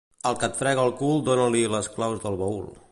Al que et frega el cul dona-li les claus del baül.